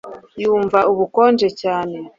Yumva ubukonje cyane